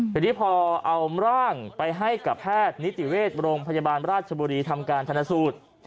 ทีนี้พอเอาร่างไปให้กับแพทย์นิติเวชโรงพยาบาลราชบุรีทำการธนสูตร